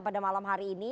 pada malam hari ini